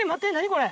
これ。